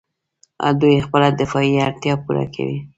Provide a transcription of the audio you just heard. دوی خپله دفاعي اړتیا پوره کوي.